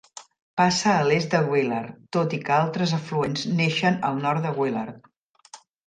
Passa a l'est de Willard, tot i que altres afluents neixen al nord de Willard.